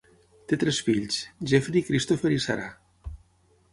Té tres fills: Jeffrey, Christopher i Sarah.